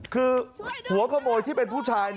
คือหัวขโมยที่เป็นผู้ชาย